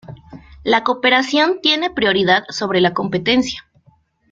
La cooperación tiene prioridad sobre la competencia.